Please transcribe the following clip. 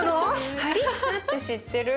ハリッサって知ってる？